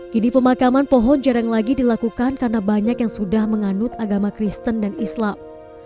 kini pemakaman pohon jarang lagi dilakukan karena banyak yang sudah menganut agama kristen dan islam